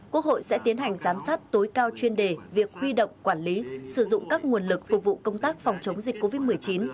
quốc hội sẽ tiến hành giám sát tối cao chuyên đề việc huy động quản lý sử dụng các nguồn lực phục vụ công tác phòng chống dịch covid một mươi chín